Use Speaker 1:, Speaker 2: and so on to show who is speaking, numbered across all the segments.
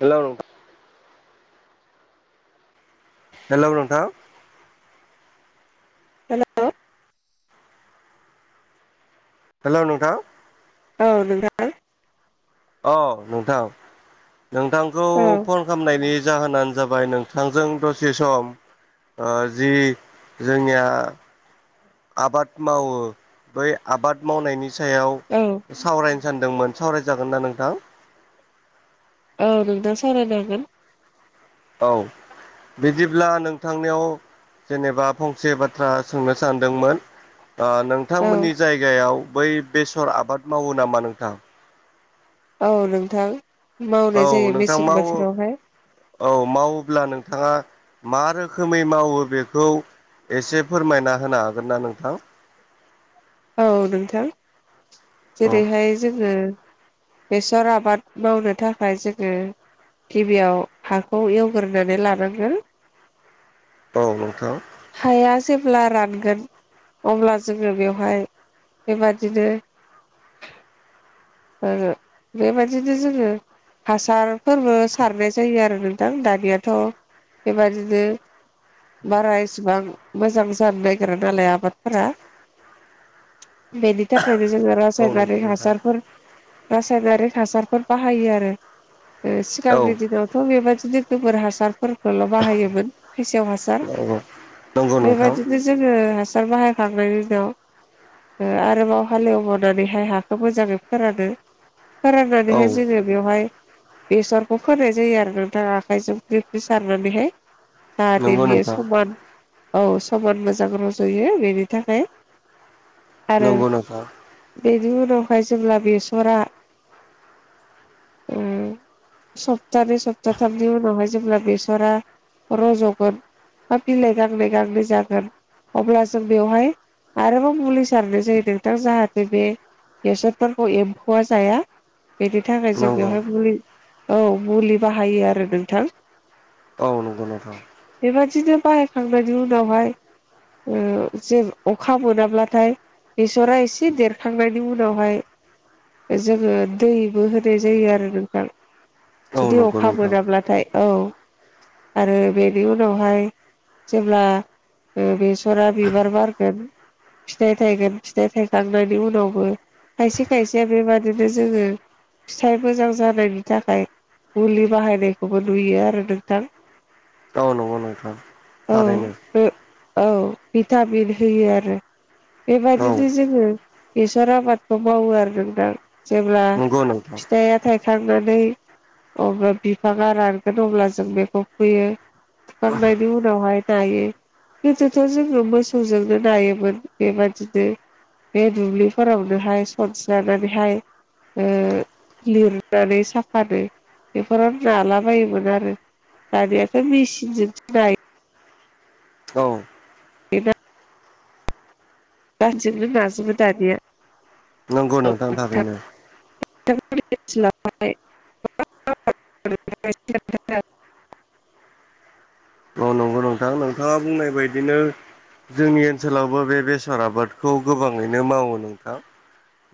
Speaker 1: हेल' हेल' नोंथां
Speaker 2: हेल'
Speaker 1: हेल' नोंथां
Speaker 2: औ नोंथां।
Speaker 1: औ नोंथां। नोंथांखौ
Speaker 2: औ
Speaker 1: फन खामनायनि जाहोनानो जाबाय नोंथांजों दसे सम ओ जि जोंनिया आबाद मावो बै आबाद मावनायनि सायाव
Speaker 2: औ।
Speaker 1: सावरायनो सान्दोंमोन सावरायजागोन ना नोंथां?
Speaker 2: औ नोंथां सावरायजागोन।
Speaker 1: औ। बिदिब्ला नोंथांनियाव जेनेबा फंसे बाथ्रा सोंनो सानदोंमोन ओ
Speaker 2: औ
Speaker 1: नोंथांमोननि जायगायाव बै बेसर आबाद मावो नामा नोंथां?
Speaker 2: औ नोंथां मावनाय जायो
Speaker 1: औ नोंथां
Speaker 2: मेसें
Speaker 1: मावो
Speaker 2: बोथोरावहाय
Speaker 1: औ मावोब्ला नोंथाङा मा रोखोमै मावो बेखौ एसे फोरमायना होनो हागोन ना नोंथां?
Speaker 2: औ नोंथां
Speaker 1: औ
Speaker 2: जेरैहाय जोङो बेसर आबाद मावनो थाखाय जोङो गिबियाव हाखौ एवग्रोनानै लानांगोन
Speaker 1: औ नोंथां।
Speaker 2: हाया जेब्ला रानगोन अब्ला जोङो बेवहाय बेबादिनो आरो बेबादिनो जोङो हासारफोरबो सारनाय जायो आरो नोंथां दानियाथ' बेबादिनो बारा इसिबां मोजां जानो नागिरा नालाय आबादफोरा बेनिथाखायनो जोङो
Speaker 1: औ नंगौ
Speaker 2: रासाइनारि
Speaker 1: नोंथां
Speaker 2: हासारफोर रासायनारि हासारफोर बाहायो आरो ओ सिगांनि
Speaker 1: औ
Speaker 2: दिनावथ' बेबायदिनो गोबोर हासारफोरखौल' बाहायोमोन फेसेव हासार
Speaker 1: नंगौ नंगौ नोंथां
Speaker 2: बेबायदिनो जोङो हासार बाहायखांनायनि उनाव ओ आरोबाव हालेवबनानैहाय हाखौ मोजाङै फोरानो।
Speaker 1: औ
Speaker 2: फोराननानैहाय जोङो बेवहाय बेसरखौ फोनाय जायो आरो नोंथां आखाइजों फ्रि फ्रि सारनानैहाय जाहाथे
Speaker 1: नंगौ
Speaker 2: बियो
Speaker 1: नोंथां
Speaker 2: समान औ समन मोजां रज'यो बेनि थाखाय आरो
Speaker 1: नंगौ नोंथां
Speaker 2: बेनि उनावहाय जेब्ला बेसरा ओ
Speaker 1: [inaudible]
Speaker 2: सप्तानै सप्ताथामनि उनावहाय जेब्ला बेसरा रज'गोन बा बिलाइ गांलै गांलै जागोन अब्ला जों बेवहाय आरोबाव मुलि सारनाय जायो नोंथां जाहाथे बे बेसर फोरखौ एम्फौआ जाया बेनि थाखाय जों
Speaker 1: नंगौ
Speaker 2: बेवहाय मुलि औ मुलि बाहायो आरो नोंथां
Speaker 1: औ नंगौ नोंथां
Speaker 2: बेबादिनो बाहायखांनायनि उनावहाय ओ जोर अखा मोनाब्लाथाय बेसरा एसे देरखांनायनि उनावहाय जोङो दैबो होनाय जायो आरो नोंथां
Speaker 1: औ
Speaker 2: जुदि
Speaker 1: नंगौ
Speaker 2: अखा
Speaker 1: नोंथां
Speaker 2: मोनाब्लाथाय औ आरो बेनि उनावहाय जेब्ला बेसरा बिबार बारगोन फिथाइ थायगोन फिथाइ थायखांनायनि उनावबो खायसे खायसेया बेबादिनो जोङो फिथाइ मोजां जानायनि थाखाय मुलि बाहायनायखौबो नुयो आरो नोंथां
Speaker 1: औ नंगौ नोंथां
Speaker 2: औ
Speaker 1: थारैनो
Speaker 2: औ भिटामिन होयो आरो
Speaker 1: औ
Speaker 2: बेबायदिनो जोङो बेसर आबाद- खौ मावो आरो नोंथां जेब्ला
Speaker 1: नंगौ नोंथां
Speaker 2: फिथाइआ थाइ खांनानै अब्ला बिफाङा रानगोन अब्ला जों बेखौ फुयो फुखांनायनि उनावहाय नायो गोदोथ' जोङो मोसौजोंनो नायोमोन बेबादिनो बे दुब्लिफोराव बेहाय सनस्रानानैहाय ओ लिरनानै साफानो बेफोराव नालाबायोमोन आरो दानियाथ' मेसिनजोंसो नायो
Speaker 1: औ
Speaker 2: बेना [unintelligible] नाजोबो दानिया
Speaker 1: नंगौ नोंथां थारैनो
Speaker 2: [unintelligible] [unintelligible]
Speaker 1: औ नंगौ नोंथां नोंथाङा बुंनाय बायदिनो जोंनि ओनसोलावबो बे बेसर आबाद खौ गोबाङैनो मावो नोंथां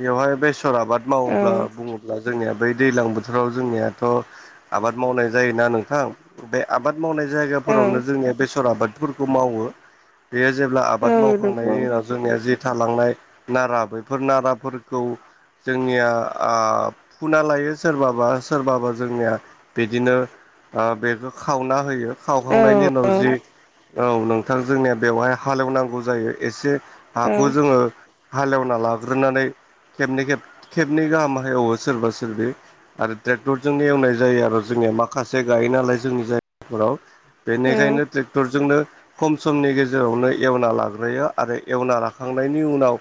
Speaker 1: बेवहाय बेसर आबाद
Speaker 2: औ
Speaker 1: मावोब्ला बुङोब्ला जोंनिया बै दैज्लां बोथोराव जोंनियाथ' आबाद मावनाय जायोना नोंथां बे आबाद मावनाय
Speaker 2: औ
Speaker 1: जायगाफोरावनो जोंनिया बेसर आबादफोरखौ मावो बेयो जेब्ला
Speaker 2: औ
Speaker 1: आबाद
Speaker 2: नंगौ औ
Speaker 1: मावखांनायनि उनाव जोंनिया जि थालांनाय नारा बैफोर नाराफोरखौ जोंनिया आ फुना लायो सोरबाबा सोरबाबा जोंनिया बिदिनो आ बेखौ खावना होयो
Speaker 2: औ
Speaker 1: खावखां बेनि उनाव जि औ नोंथां जोंनिया बेवहाय हालेवनांगौ जायो एसे
Speaker 2: औ
Speaker 1: हाखौ जोङो हालेवना लाग्रोनानै खेबनै खेब खेबनै गाहामैहाय एवो सोरबा सोरबि आरो टेक्टरजोंनो एवनाय जायो आरो जोंनिया माखासे गायो नालाय जोंनि जायगाफोराव
Speaker 2: औ
Speaker 1: बेनिखायनो ट्रेक्टरजोंनो खम समनि गेजेरावनो एवना लाग्रोयो आरो एवना लाखांनायनि उनाव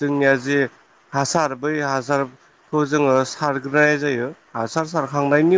Speaker 1: जोंनिया जे हासार बै हासारखौ जोङो सारग्रोनाय जायो हासार सारखांनायनि